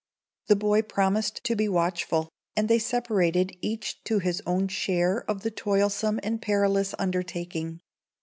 The boy promised to be watchful, and they separated, each to his own share of the toilsome and perilous undertaking.